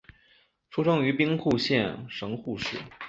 出身于兵库县神户市。